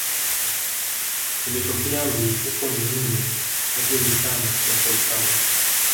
Ilitokea milipuko minne hadi mitano ya volkano